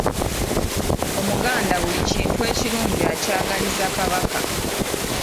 Omuganda buli kintu ekirungi akyagaliza Kabaka.